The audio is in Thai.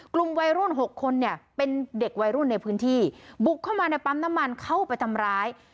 กลุ่มวัยรุ่น๖คนเนี่ยเป็นเด็กวัยรุ่นในพื้นที่บุกเข้ามาในปั๊มน้ำมันเข้าไปทำร้าย